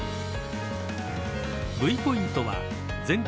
Ｖポイントは、全国